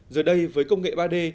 giờ đây với công nghệ ba d